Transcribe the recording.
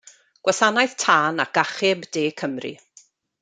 Gwasanaeth Tân ac Achub De Cymru.